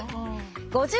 ５０